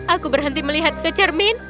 aku berhenti melihat ke cermin